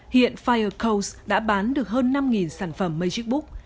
hiện firecode đã bán được hơn năm sản phẩm magic book